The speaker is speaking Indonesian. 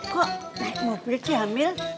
kok naik mobil sih hamil